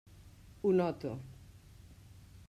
Ho noto.